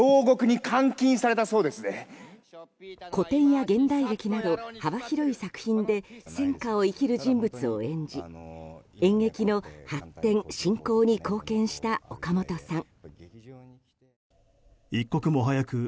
古典や現代劇など幅広い作品で戦禍を生きる人物を演じ演劇の発展・振興に貢献した岡本さん。